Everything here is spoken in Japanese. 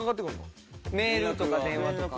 メールとか電話とか。